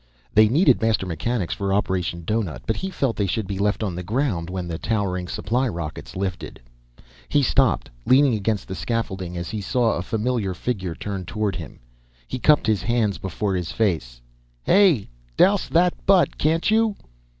They needed master mechanics for Operation Doughnut, but he felt they should be left on the ground when the towering supply rockets lifted. He stopped, leaning against scaffolding as he saw a familiar figure turn toward him. He cupped his hands before his face. "Hey, douse that butt! Can't you